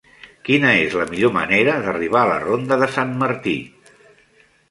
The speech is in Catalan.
Quina és la millor manera d'arribar a la ronda de Sant Martí?